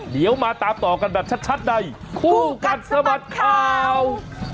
เดี๋ยวมาตามต่อกันแบบชัดในคู่กัดสะบัดข่าว